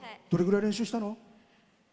どれぐらい練習したの？